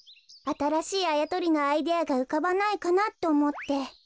あたらしいあやとりのアイデアがうかばないかなっておもって。